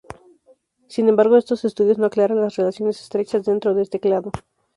Sin embargo, estos estudios no aclaran las relaciones estrechas dentro de este clado.